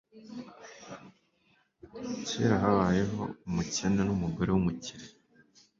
Kera habayeho umukene numugore wumukire